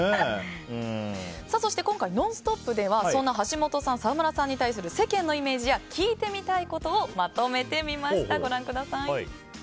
今回「ノンストップ！」では橋本さん、沢村さんに対する世間のイメージや聞いてみたいことをまとめてみました。